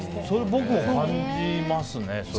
それ僕も感じますね。